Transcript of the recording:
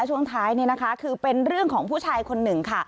ช่วงท้ายคือเป็นเรื่องของผู้ชายคนหนึ่งค่ะ